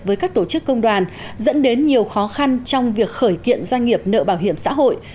với các tổ chức công đoàn dẫn đến nhiều khó khăn trong việc khởi kiện doanh nghiệp nợ bảo hiểm xã hội